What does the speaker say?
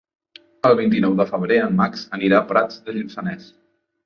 El vint-i-nou de febrer en Max anirà a Prats de Lluçanès.